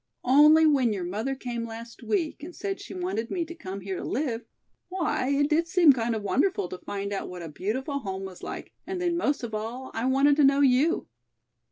Only when your mother came last week and said she wanted me to come here to live, why it did seem kind of wonderful to find out what a beautiful home was like, and then most of all I wanted to know you.